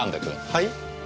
はい？